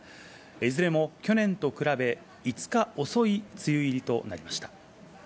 いずれも去年と比べ５日遅い梅雨入りとなりました。